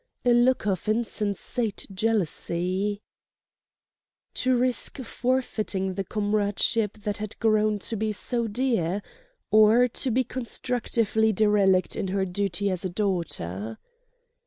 A look of insensate jealousy ... To risk forfeiting the comradeship that had grown to be so dear? Or to be constructively derelict in her duty as a daughter?